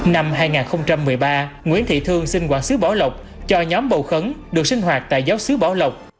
năm hai nghìn một mươi ba nguyễn thị thương xin quản sứ bảo lộc cho nhóm bầu khấn được sinh hoạt tại giáo sứ bảo lộc